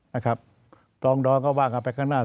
นะครับปลองดองก็ว่ากันไปข้างหน้า